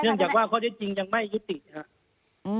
เนื่องจากว่าข้อเท็จจริงยังไม่ยุติดครับ